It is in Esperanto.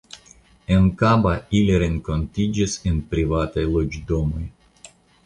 En Kaba ili renkontiĝis en privataj loĝdomoj.